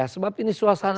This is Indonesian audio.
sebab ini suasana